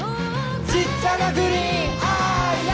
ちっちゃなグリーンあーや！